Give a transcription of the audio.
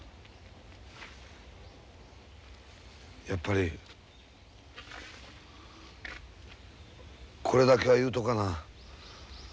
やっぱりこれだけは言うとかな